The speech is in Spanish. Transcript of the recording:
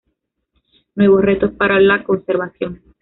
Nuevos retos para la conservación".